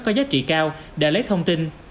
có giá trị cao để lấy thông tin